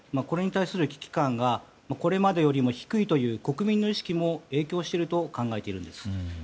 これに対する危機感がこれまでよりも低いという国民の意識も影響していると考えているんです。